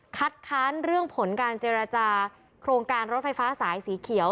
ค้านเรื่องผลการเจรจาโครงการรถไฟฟ้าสายสีเขียว